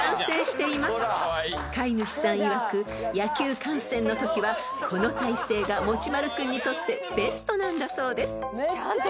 ［飼い主さんいわく野球観戦のときはこの体勢がもちまる君にとってベストなんだそうです］